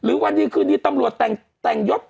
หรือวันนี้คืนนี้ตำรวจแต่งยอด